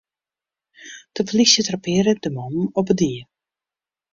De polysje trappearre de mannen op 'e die.